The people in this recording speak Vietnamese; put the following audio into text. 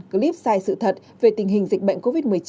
clip sai sự thật về tình hình dịch bệnh covid một mươi chín